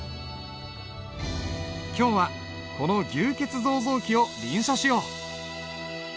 今日はこの「牛造像記」を臨書しよう。